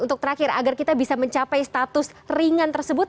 untuk terakhir agar kita bisa mencapai status ringan tersebut